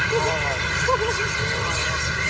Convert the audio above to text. ไหวลูกหน่อย